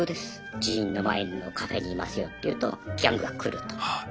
寺院の前のカフェにいますよって言うとギャングが来ると。